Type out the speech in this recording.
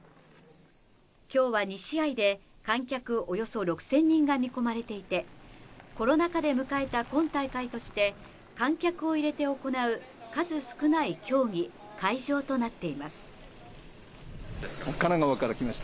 きょうは２試合で、観客およそ６０００人が見込まれていて、コロナ禍で迎えた今大会として、観客を入れて行う数少ない競技、会場となっています。